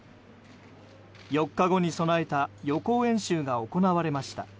４日後に備えた予行演習が行われました。